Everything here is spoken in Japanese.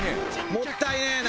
もったいねえな。